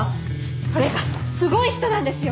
それがすごい人なんですよ！